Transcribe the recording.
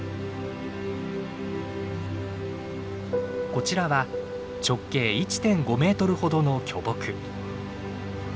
こちらは直径１．５メートルほどの巨木。